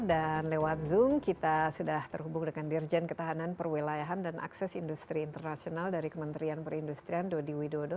dan lewat zoom kita sudah terhubung dengan dirjen ketahanan perwilayahan dan akses industri internasional dari kementerian perindustrian dody widodo